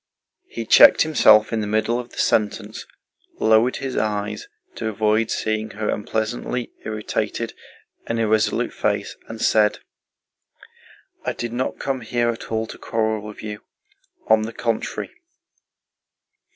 He checked himself in the middle of the sentence, lowered his eyes to avoid seeing her unpleasantly irritated and irresolute face, and said: "I did not come here at all to quarrel with you. On the contrary..."